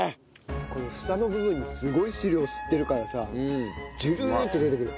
これ房の部分にすごい汁を吸ってるからさジュルーッと出てくる。